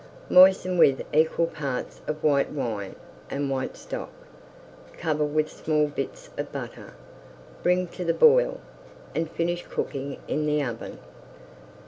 Moisten with equal parts of white wine and white stock. Cover with small bits of butter, bring to the boil, and finish cooking in the oven.